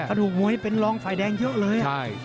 กระดูกมวยเป็นรองไฟแดงเยอะเลย